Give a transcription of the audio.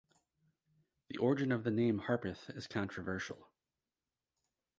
The origin of the name "Harpeth" is controversial.